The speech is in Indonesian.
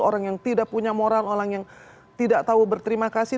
orang yang tidak punya moral orang yang tidak tahu berterima kasih